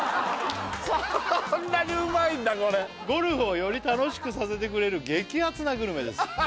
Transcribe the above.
そんなにうまいんだこれ「ゴルフをより楽しくさせてくれる激アツなグルメです」